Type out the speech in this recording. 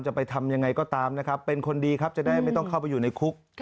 จะไปทำยังไงก็ตามนะครับเป็นคนดีครับจะได้ไม่ต้องเข้าไปอยู่ในคุก